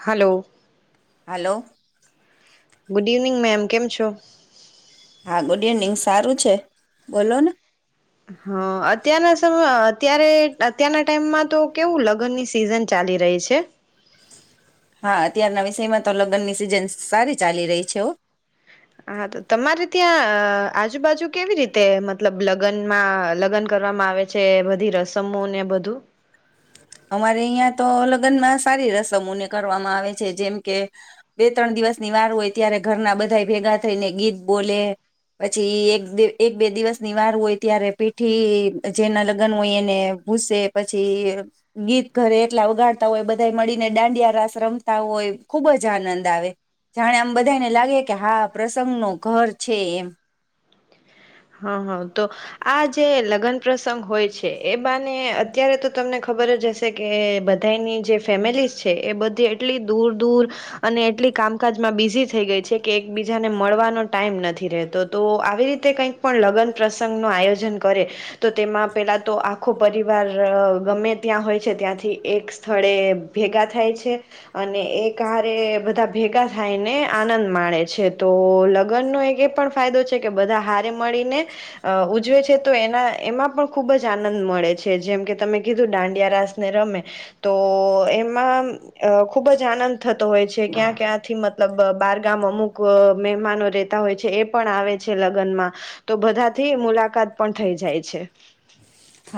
Hello hello. Good evening ma'am, કેમ છો? હા, ગુડ ઇવનિંગ સારું છે, બોલો ને. હા, અત્યારના સમ અત્યારે અત્યારના ટાઈમમાં તો કેવું લગ્નની સિઝન ચાલી રહી છે. હા, અત્યારના વિષયમાં તો લગ્નની સિઝન સ સારી ચાલી રહી છે ઓ. હા, તો તમારે ત્યાં આજુબાજુ કેવી રીતે મતલબ લગનમાં લગન કરવામાં આવે છે? બધી રસમો ને બધું? અમારે અહિયાં તો લગનમાં સારી રસમોને કરવામાં આવે છે. જેમ કે, બે ત્રણ દિવસની વાર હોય ત્યારે ઘરના બધા ભેગા થઈને ગીત બોલે, પછી એક બે એક બે દિવસની વાર હોય ત્યારે પીઠી-ઠી-ઠી પછી એના લગન હોય એને ભૂસે પછી. ગીત ઘરે એટલા વગાડતા હોય બધાય મળીને, દાંડિયા રાસ રમતા હોય ખુબ જ આનંદ આવે, જાણે આમ બધાયને લાગે કે હા પ્રસંગ નું ઘર છે એમ. હા હા, તો આ જે લગન પ્રસંગ હોય છે એ બાને અત્યારે તો તમને ખબર જ હશે કે-કે બધાની જે ફેમિલીસ છે એ બધી એટલી દૂર દૂર, અને એટલી કામકાજમાં બિઝી થઈ ગઈ છે કે એકબીજાને મળવાનો ટાઈમ નથી રહેતો તો આવી રીતે કંઈક પણ લગન પ્રસંગ નો આયોજન કરે, તો તેમાં પેલા તો આખો પરિવાર-ર-ર ગમે ત્યાં હોય છે ત્યાંથી એક સ્થળે ભેગા થાય છે, અને એક હારે બધા ભેગા થાયને આનંદ માણે છે. તો લગનનો એક એ પણ ફાયદો છે કે બધા હાત ળી મળીને, અ ઉજવે છે તો એના એમાં પણ ખુબ જ આનંદ મળે છે. જેમ કે તમે કીધું દાંડિયા રાસ ને રમે, તો-તો એમાં અ ખુબ જ આનંદ થતો હોય છે ક્યાં ક્યાંથી મતલબ અ બાર ગામ અમુક અ મહેમાનો રેતા હોય છે એ પણ આવે છે લગનમાં. તો બધાથી મુલાકાત પણ થઈ જાય છે.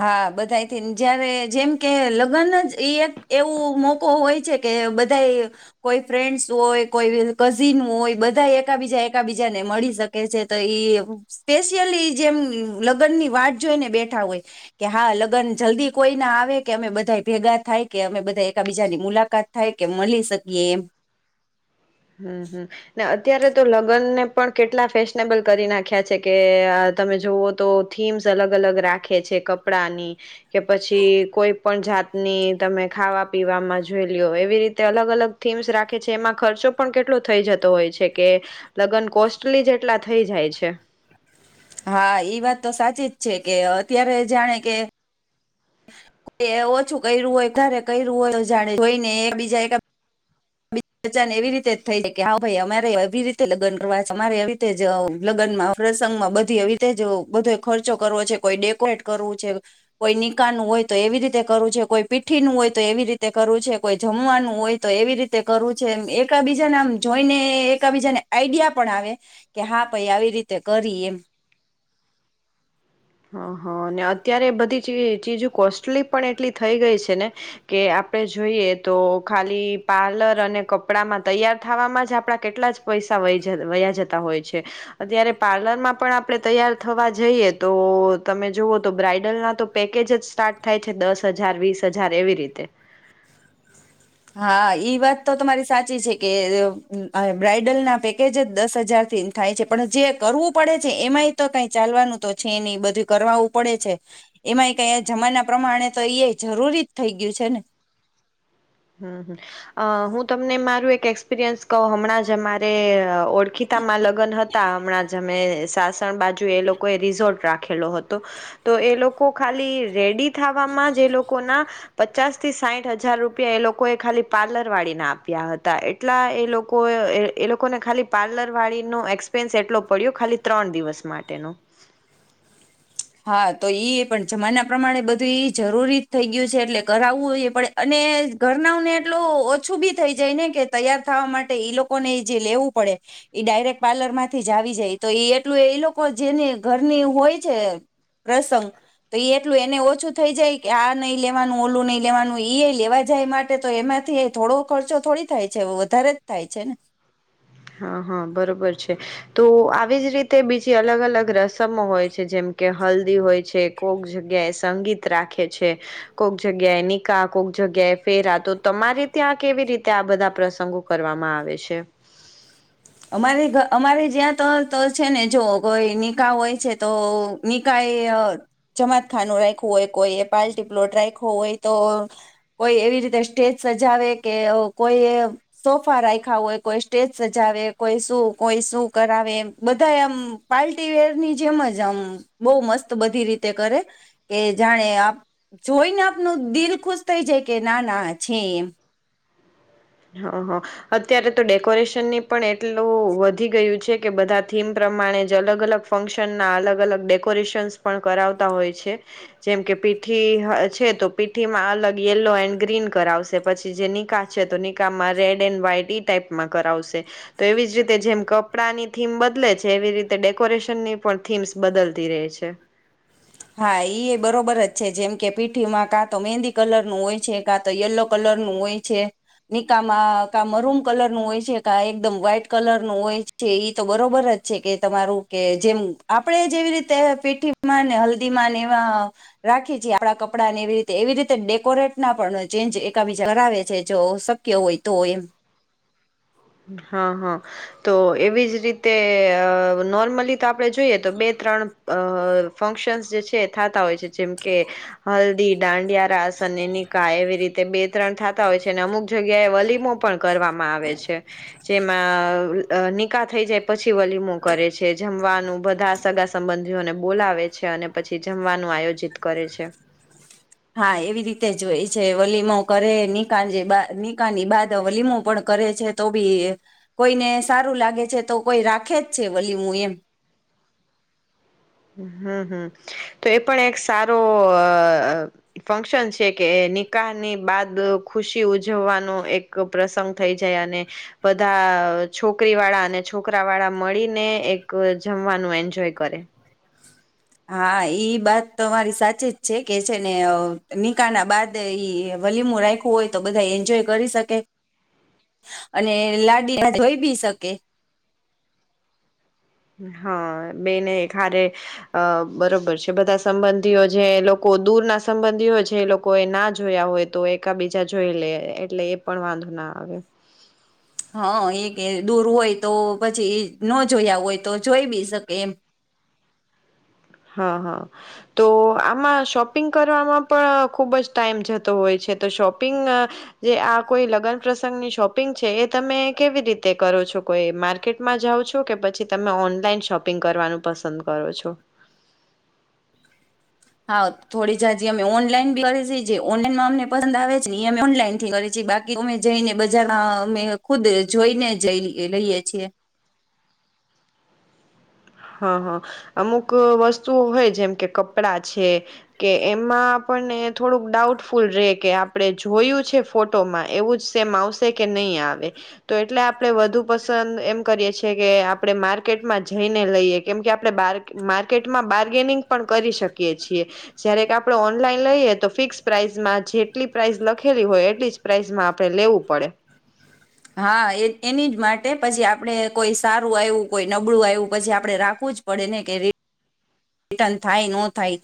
હા બધાય થી ન જયારે જેમ કે લગન જ એઈક એવું મોકો હોય છે કે બધાય કોઈ ફ્રેન્ડ્સ હોય, કોઈ કઝિન હોય બધા એકા બીજા એકા બીજાને મળી શકે છે. તો એ સ્પેશિયલી જેમ લગન ની વાત જોઈને બેઠા હોય. કે હા લગન જલ્દી કોઈ ના આવે કે અમે બધાય ભેગા થાય કે અમે બધા એકા બીજાની મુલાકાત થાય કે મળી શકીએ એમ. હમ્મ, હમ્મ, ને અત અત્યારે તો લગનને પણ કેટલા ફેશનેબલ કરી નાખ્યા છે. કે-કે-કે તમે જોવો તો થીમ્સ અલગ અલગ રાખે છે, કપડાની કે પછી કોઈ પણ જાતની તમે ખાવા પીવામાં જોઈ લ્યો એવી રીતે અલગ અલગ થીમ્સ રાખે છે. એમાં ખર્ચો પણ કેટલો થઈ જતો હોય છે કે લગન કોસ્ટલી જ એટલા થઈ જાય છે. હા, એ વાત તો સાચી જ છે કે અત્યારે જાણે કે એ ઓછું કર્યું હોય, વધારે કર્યું હોય જાણી જોઈ ને, બીજા એક બચ્ચા એવી રીતે જ થાય કે હા હો ભાઈ, અમારેય એવી રીતે લગ્ન કરવા છે, અમારે એવી રીતે જ અહ લગ્નમાં પ્રસંગમાં બધી એવી રીતે જ બધો ખર્ચો કરવો છે, કોઈ ડેકોરેટ કરવું છે, કોઈ નિકાહનું હોય તો એવી રીતે કરવું છે, કોઈ પીઠીનું હોય તો એવી રીતે કરવું છે, કોઈ જમવાનું હોય તો એવી રીત તે કરવું છે, એમ એકા બીજાના આમ જોઈને એકા બીજાને આઈડિયા પણ આવે કે હા ભાઈ આવી રીતે કરીએ એમ. અહ અને અત્યારે બધી ચી ચીજો કોસ્ટલી પણ એટલી થઈ ગઈ છે ને, કે આપણે જોઈએ તો ખાલી પાર્લર અને કપડામાં તૈયાર થાવામાં જ આપણા કેટલા જ પૈસા વયજ વયા જાતા હોય છે. અત્યારે પાર્લરમાં પણ આપણે તૈયાર થવા જઈએ તો તમે જુઓ તો બ્રાઈડરના તો પેકેજ જ સ્ટાર્ટ થાય છે, દસ હજાર, વીસ હજાર એવી રીતે. હા, ઈ વાત તો તમારી સાચી છે કે અહ બ્રાઈડલના પેકેજ જ દસ હજારથીન થાય છે. પણ જે કરવું પડે છે એમાંય તો કાઈ ચાલવાનું તો છે નહિં. બધુંય કરાવું પડે છે. એમાંય કાઈ આજમાના પ્રમાણે તો ઈ એ જરૂરી જ થઈ ગયું છે ને. હમ્મ, હમ્મ, અહ હું તમને મારું એક એક્સપિરિયન્સ કહું હમણાં જ અમારે અહ ઓળખીતામાં લગન હતા હમણાં જ અમે સાસણ બાજુ એ લોકો એ રિઝોટ રાખેલો હતો. તો એ લોકો કો ખાલી રેડી થાવામાં જ એ લોકો ના પચાસ થી સાઈઠ હજાર રૂપ પિયા એ લોકોએ ખાલી પાર્લર વાળીને આપ્યા હતા. એટલા એ લોકો અહ એ લોકોને ખાલી પાર્લર વાળીનો એક્સપેન્સ એટલો પડ્યો ખાલી ત્રણ દિવસ માટેનો. હા, તો ઈ પણ જમાના પ્રમાણે બધું ઈ જરૂરી થઈ ગયું છે એટલે કરાવું એ પડે અને ઘરનાવ ને એટલું ઓછું બી થઈ જાય ને કે તૈયાર થવા માટે ઈ લોકોને ઈ જે લેવું પડે ઇ ડાયરેક્ટ પાર્લર માંથી જ આવી જાય તો ઈ એટલું એ લોકો જેને ઘરની હોય છે પ્રસંગ તો એ એટલું એને ઓછું થઈ જાય કે આ નહી લેવાનું ઓલું નઈ લેવાનું. ઈએય લેવા જાય માટે તો એમાંથી થોડો ખર્ચો થોડી થાય છે વધારે જ થાય છે ને. હા હા બરોબર છે તો આવી જ રીતે બીજી અલગ અલગ રસમો હોય છે, જેમ કે હલ્દી હોય છે, કોક જગ્યાએ સંગીત રાખે છે, કોક જગ્યાએ નિકાહ, કોક જગ્યાએ ફેરા તો તમારી ત્યાં કેવી રીતે આ બધા પ્રસંગો કરવામાં આવે છે? અમારે અમારે જ્યાં તો તો છે ને જોઓ કોઈ નિકાહ હોય છે તો નિકાહ એ જમાતખાનું રાયખું હોય, કોઈએ પાર્ટી પ્લોટ રાયખો હોય, તો કોઈ એવી રીતે સ્ટેજ સજાવે, કે કોઈએ સોફા રાખ્યા હોય, કોઈ સ્ટેજ સજાવે કોઈ શું કોઈ શું કરાવે એમ બધા આમ પાર્ટી વેર ની જેમ જ આમ બહું મસ્ત બધી રીતે કરે કે જાણે આ જોઈને આપનું દિલ ખુશ થઈ જાય કે ના, ના આ છે એમ. હા, હા અત્યારે તો ડેકોરેશનની પણ એટલું વધી ગયું છે કે બધા થીમ પ્રમાણે જ અલગ અલગ ફંક્શન ના અલગ અલગ ડેકોરેશનસ પણ કરાવતા હોય છે. જેમ કે પીઠી હ છે તો પીઠી માં અલગ યેલો એન્ડ ગ્રીન કરાવશે. પછી જે નિકાહ છે તો નિ કાહ માં રેડ એન્ડ વ્હાઈટ ઈ ટાઈપમાં કરાવશે તો એવીજ રીતે જેમ કપડા ની થીમ બદલે છે, એવી રીતે ડેકોરેશનની પણ થીમ્સ બદલતી રહે છે. હા, ઈ એય બરોબર જ છે જેમ કે પીઠીમાં કાંતો મહેંદી કલર નું હોય છે, કાંતો યેલો કલરનું હોય છે, નિકાહ માં કા મરૂમ કલરનું હોય છે, કા એકદમ વ્હાઈટ કલર નું હોય છે. ઈ તો બરોબર જ છે કે તમારું કે જેમ આપડે જેવી રીતે પીઠીમાં ને હલ દીમાં ને એવા રાખી છી આપણા કપડા ને એવી રીતે એવી રીતે ડેકોરેટ ના પણ ચેન્જ એકા બીજા કરાવે છે જો શક્ય હોય તો એમ. હા, હા, તો એવી જ રીતે અહ નોર્મલી તો આપણે જોઈએ તો બે ત્રણ અ ફંક્શનસ જે છે થતા હોય છે, જેમ કે હલ્દી, દાંડિયારાસ અને નિકાહ એવી રીતે બે ત્રણ થતા હોય છે. અને અમુક જગ્યાએ વલીમો પણ કરવામાં આવે છે. જેમાં અ નિકાહ થઈ જાય પછી વલીમો કરે છે. જમવાનું બધા સગા સંબંધીઓને બોલાવે છે અને પછી જમવાનું આયોજિત કરે છે. હા, એવી રીતે જ હોય છે વલીમો કરે, નિકાહ જે નિકની બાદ વલીમો પણ કરે છે, તો બી કોઈને સારું લાગે છે તો કોઈ રાખે જ છે વલીમો એમ હમ હમ તો એ પણ એક સારો અ. ફંક્શન છે કે નિકાહની બાદ ખુશી ઉજવવાનો એક પ્રસંગ થઈ જાય અને બધા અ છોકરી વાળા અને છોકરા વાળા મળીને એક જમવાનું એન્જોય કરે. હા ઈ બાત તમારી સાચી જ છે કે છે ને અ નિકાહના બાદ ઈ વલીમો રાયખુ હોય તો બધા એન્જોય કરી શકે, અને લાડી [unintelligible] જોઈ બી શકે. હા, બેને એક હારે બરોબર છે બધા સંબંધીઓ જે લોકો દૂર ના સંબંધી હોય છે એ લોકો એ ના જોયા હોય તો, એકા બીજા જોઈ લે એટલે એ પણ વાંધો ના આવે. હા, એ કે દૂર હોય તો પછી ઈ ન જોયા હોય તો જોઈ બી શકે એમ. હા, હા, તો આમાં શોપિંગ કરવામાં પણ ખુબ જ ટાઈમ જતો હોય છે તો શોપિંગ અ જે આ કોઈ લગ્ન પ્રસંગની શોપિંગ છે, એ તમે કેવી રીતે કરો છો કોઈ માર્કેટમાં જાઓ છો કે પછી તમે ઓનલાઈન શોપિંગ કરવાનું પસંદ કરો છો? હા, થોડી જાજી અમે ઓનલાઈન બી કરી [unintelligible] જે ઓનલાઈનમાં અમને પસંદ આવે છે ને એ અમે ઓનલાઈન થી કરીએ બાકી અમે જઈને બજારમાં અમે ખુદ જોઈને જય લઈએ છીએ. હા, હા, અમુક વસ્તુઓ હોય જેમ કે કપડા છે, કે એમાં આપણને થોડુંક ડાઉટફુલ રે કે આપણે જોયું છે ફોટોમાં એવું જ સેમ આવશે કે નહીં આવે. તો એટલે આપણે વધુ પસંદ એમ કરીએ છે કે આપણે માર્કેટમાં જઈ ને લઈયે કેમ કે આપણે માર્કેટમાં બાર્ગેનિંગ પણ કરી શકીએ છીએ. જયારે કે આપણે ઓનલાઈન લઈએ તો ફિક્સ પ્રાાઈસમાં જેટલી પ્રાઇસ લખેલી હોય એટલી જ પ્રાાઈસમાં આપડે લેવું પડે. હા, એ એની જ માટે પછી આપણેે કોઈ સારું આયવુ, કોઈ નબળું આયવું પછી આપડણે રાખવું જ પડે ને કે રિટર્ન થાય ન થાય,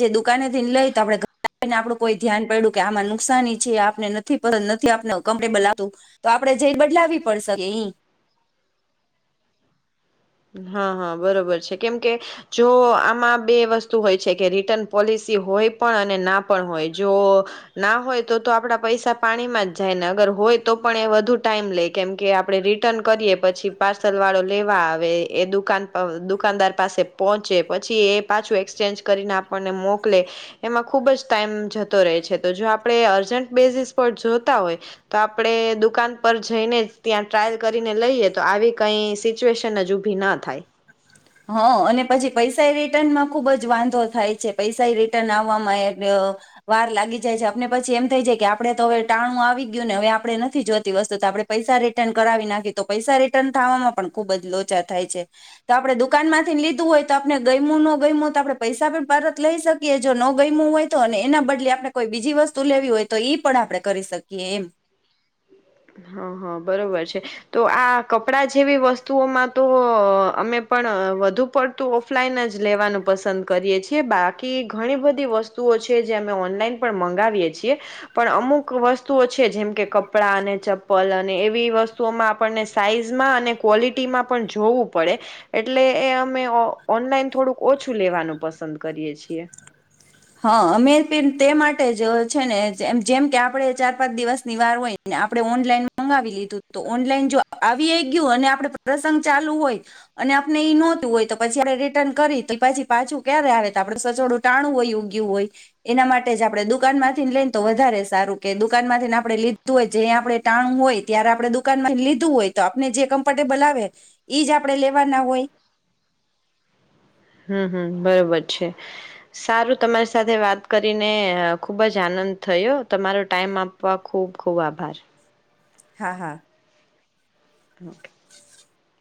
જે દુકાનેથીને લઈ તો આપેને આપડું કોઈ ધ્યાન પડ્યું કે આમાં નુકસાની છે આપને નથી નથી આપને કમ્ફર્ટેબલ આવતું તો આપદે જઈ ને બદલાવી પડશે કએ ઈ હા હા, બરોબર છે કેમકે જો આમાં બે વસ્તુ હોય છે, કે રિટર્ન પોલિસી હોય પણ, અને ના પણ હોય જો ના હોય, તો તો આપડા પૈસા પાણીમાં જ જાય ને અગર હોય તો પણ એ વધુ ટાઈમ લે કેમકે આપડે રિટર્ન કરીએ પછી પાર્સલ વાળો લેવા આવે વે એદુકાન અ દુકાનદાર પાસે પહોંચે પછી એ પાછું એક્સચેન્જ કરીને આપણને મોકલે એમાં ખૂબ જ ટાઈમ જતો રહે છે, તો જો આપણે અર્જન્ટ બેઝિસ પર જોતા હોય તો આપણે દુકાન પર જઈને જ ત્યાં ટ્રાયલ કરીને લઈએ તો આવી કઈ સિચ્યુએશન જન ઉંભીના થાય. હ અને પછી પૈસા એ રિટર્નમાં ખુબ જ વાંધો થાય છે. પૈસા એ રિટર્ન આવવામાં એ વાર લાગી જાય છે, આપને પછી એમ થઈ જાય કે આપડે તો હવે ટાણું આવી ગયું ને હવે આપણે નથી જોતી વસ્તુ તો આપણે પૈસા રિટર્ન કરાવી નાખી તો પૈસા રિટર્ન થવામાં પણ ખુબ જ લોચા થાય છે તો આપડે દુ દુકાનમાથી લીધું હોય તો આપણે ગયમું ન ગયમું તો આપણે પૈસા પણ પરત લઈ શકીએ, જો ન ગયમું હોય તો અને એના બદલે આપણે કોઈ બીજી વસ્તુ લેવી હોય તો ઈ પણ આપણેે કરી શકીએ એમ. હા હા બરોબર છે, તો આ કપડાં જેવી વસ્તુઓમાં તો અમે પણ વધુ પડતું ઓફલાઈન જ લેવાનું પસંદ કરીએ છીએ બાકી ઘણી બધી વસ્તુઓ છે જે અમે ઓનલાઈન પણ મંગાવીએ છીએ પણ અમુક વસ્તુઓ છે જેમકે કપડા, અને ચપ્પલ અને ને અને એવી વસ્તુઓમાં આપણને સાઈઝમાં અને ક્વોલિટીમાં પણ જોવું પડે, એટલે એ અમે ઓ ઓનલાઈન થોડુંક ઓછું લેવાનું પસંદ કરીએ છીએ. હ, અમે તે તે માટે જ છે ને જેમ જેમ કે આપડણે ચાર પાંચ દિવસની વાર હોય, ને આપડે ઓનલાઈન મંગાવી લીધું તો ઓનલાઈન જો આવીએ ગયું અને આપડે પ્રસંગ ચાલુ હોય અને આપણે ઈ નહોતું હોય તો પછી આપડે રિટર્ન કરી તો પછી પાછું ક્યારે આવે તો આપડે સચોડું ટાણું વયુ. એવુ હોય એના માટે જ આપણે દુકાન માંથીને લઈને તો વધારે સારું, કે દુકાન માંથીને આપણે લીધું હોય જે આપણે ટાણું હોય ત્યારે આપણે દુકાનમાં લીધું હોય તો આપને જે કમ્ફર્ટેબલ આવે ઈજ આપણે લેવાના હોય. હમ હમ બરોબર છે, સારું તમારી સાથે વાત કરીને ખુબ જ આનંદ થયો. તમારો ટાઈમ આપવા ખૂબ ખૂબ આભાર. હા હા. [inaudible] [inaudible]